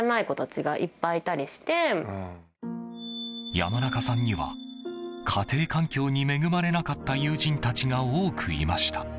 山中さんには家庭環境に恵まれなかった友人たちが多くいました。